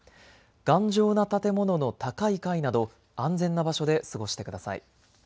頑丈な建物の高い階など安全な場所で過ごしてください。